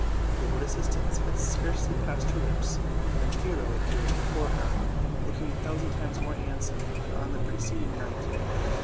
The word assistance had scarcely passed her lips, when Pyrrho appeared before her, looking a thousand times more handsome than on the preceding night.